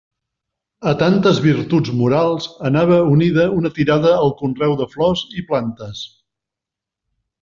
A tantes virtuts morals anava unida una tirada al conreu de flors i plantes.